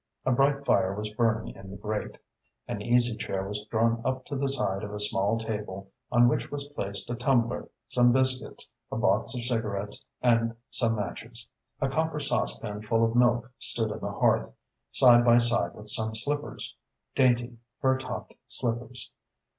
A bright fire was burning in the grate. An easy chair was drawn up to the side of a small table, on which was placed a tumbler, some biscuits, a box of cigarettes and some matches. A copper saucepan full of milk stood in the hearth, side by side with some slippers, dainty, fur topped slippers.